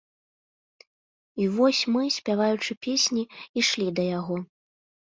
І вось мы, спяваючы песні, ішлі да яго.